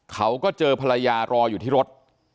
เขาก็เจอภรรยารออยู่ที่รถ